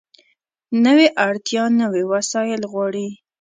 نوې اړتیا نوي وسایل غواړي